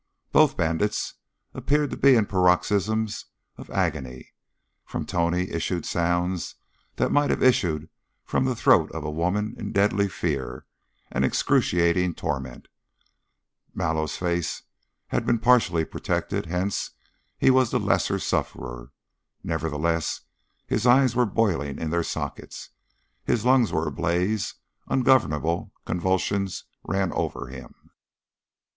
Both bandits appeared to be in paroxysms of agony; from Tony issued sounds that might have issued from the throat of a woman in deadly fear and excruciating torment; Mallow's face had been partially protected, hence he was the lesser sufferer; nevertheless, his eyes were boiling in their sockets, his lungs were ablaze, ungovernable convulsions ran over him.